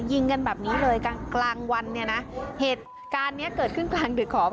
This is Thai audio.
ยิงกันแบบนี้เลยกลางกลางวันเนี่ยนะเหตุการณ์เนี้ยเกิดขึ้นกลางดึกของ